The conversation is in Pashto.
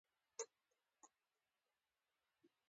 ازادي راډیو د د اوبو منابع پرمختګ او شاتګ پرتله کړی.